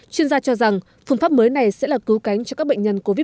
chuyên gia cho rằng phương pháp mới này sẽ là cứu cánh cho các bệnh nhân covid một mươi chín